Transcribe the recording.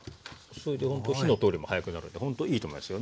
それでほんと火の通りも早くなるのでほんといいと思いますよ。